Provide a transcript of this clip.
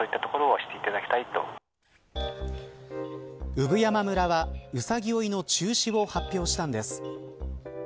産山村はうさぎ追いの中止を発表したんです。